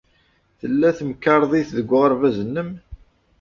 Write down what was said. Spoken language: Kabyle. Tella temkarḍit deg uɣerbaz-nnem?